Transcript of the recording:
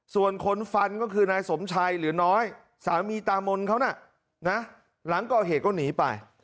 ส่วนคนฟันก็คือนายสมชัยหรือน้อยสามีตามนเขาน่ะนะหลังก่อเหตุก็หนีไป